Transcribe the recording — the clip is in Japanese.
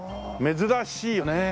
珍しいよね。